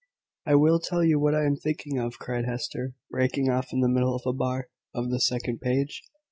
"I will tell you what I am thinking of," cried Hester, breaking off in the middle of a bar of the second page.